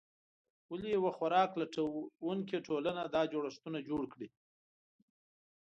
ولې یوه خوراک لټونکې ټولنه دا جوړښتونه جوړ کړي؟